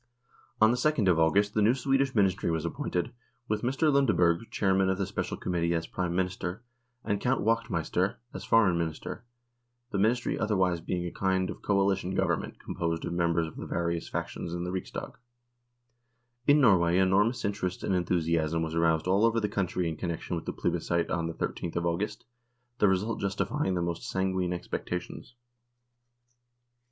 On the 2nd of August the new Swedish Ministry was appointed, with Mr. Lundeberg, chairman of the Special Committee, as Prime Minister, and Count Wachtmeister as Foreign Minister, the Ministry otherwise being a kind of coalition Government com posed of members of the various factions in the Riksdag. In Norway enormous interest and enthusiasm was aroused all over the country in connection with the plebiscite on the I3th of August, the result justifying the most sanguine expectations.